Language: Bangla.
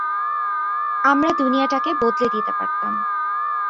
আমরা দুনিয়াটাকে বদলে দিতে পারতাম।